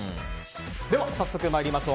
では早速、参りましょう。